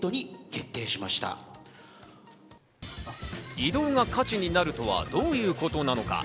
移動が価値になるとはどういうことなのか。